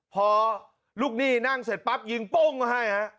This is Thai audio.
พอลูกหนี้นั่งเสร็จปั๊บยิงโป้งมาให้ฮะ